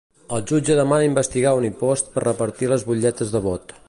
El jutge demana investigar Unipost per repartir les butlletes de vot.